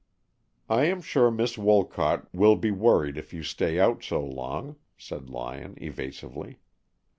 "I am sure Miss Wolcott will be worried if you stay out so long," said Lyon, evasively.